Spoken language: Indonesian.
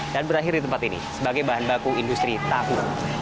dan berakhir di tempat ini sebagai bahan baku industri tahu